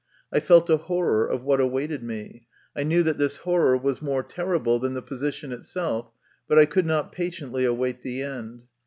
I felt a horror of what awaited me ; I knew that this horror was more terrible than the position itself, but I could not patiently await the end.